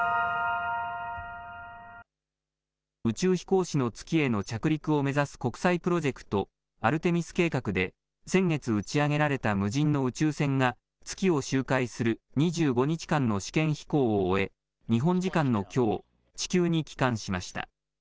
宇宙飛行士の月への着陸を目指す国際プロジェクト、アルテミス計画で先月、打ち上げられた無人の宇宙船が月を周回する２５日間の試験飛行を終え日本時間のきょう地球に帰還しました。